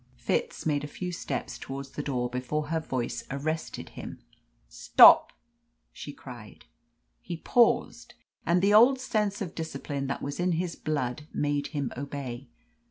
Fitz made a few steps towards the door before her voice arrested him. "Stop!" she cried. He paused, and the old sense of discipline that was in his blood made him obey.